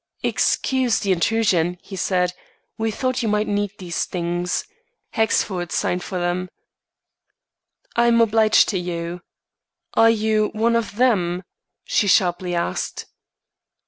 "Excuse the intrusion," he said. "We thought you might need these things. Hexford signed for them." "I'm obliged to you. Are you one of them?" she sharply asked.